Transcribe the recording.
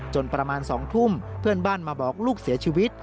ประมาณ๒ทุ่มเพื่อนบ้านมาบอกลูกเสียชีวิต